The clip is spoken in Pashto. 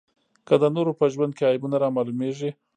که د نورو په ژوند کې عیبونه رامعلومېږي.